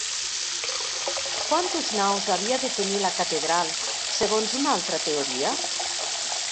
Quantes naus havia de tenir la catedral segons una altra teoria?